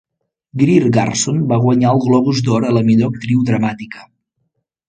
Greer Garson va guanyar el Globus d'Or a la millor actriu dramàtica.